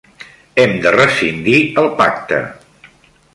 Hem de rescindir el pacte.